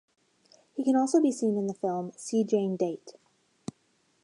He can also be seen in the film "See Jane Date".